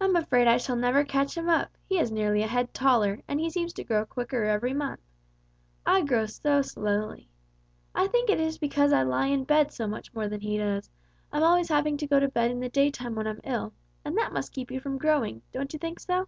"I'm afraid I shall never catch him up, he is nearly a head taller, and he seems to grow quicker every month. I grow so slowly. I think it is because I lie in bed so much more than he does, I'm always having to go to bed in the daytime when I'm ill, and that must keep you from growing, don't you think so?"